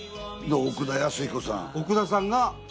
奥田泰彦さん。